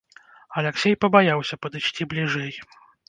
Аляксей пабаяўся падысці бліжэй.